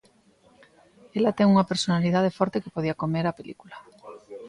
Ela ten unha personalidade forte que podía comer a película.